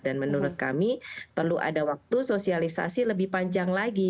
dan menurut kami perlu ada waktu sosialisasi lebih panjang lagi